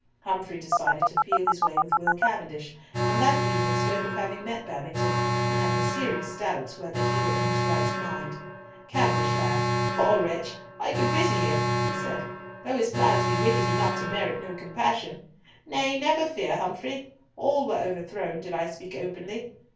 Humfrey decided to feel his way with Will Cavendish, and that evening spoke of having met Babington and having serious doubts whether he were in his right mind. Cavendish laughed, "Poor wretch! I could pity him," he said, "though his plans be wicked enough to merit no compassion. Nay, never fear, Humfrey. All were overthrown, did I speak openly.